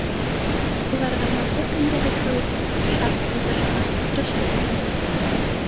Уларға яҙғы көндәге кеүек шарт тыуҙырырға тырышырбыҙ инде